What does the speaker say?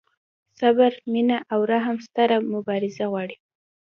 صبر، مینه او رحم ستره مبارزه غواړي.